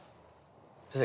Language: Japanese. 先生